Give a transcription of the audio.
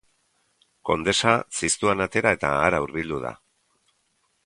Kondesa ziztuan atera, eta hara hurbildu da.